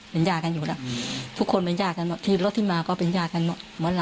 เป็นญาติกันอยู่แล้วทุกคนเป็นญาติกันที่รถที่มาก็เป็นญาติกัน